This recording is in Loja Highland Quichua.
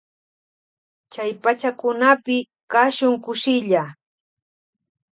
Chay pachakunapi kashun kushilla.